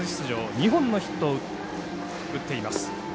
２本のヒットを打っています。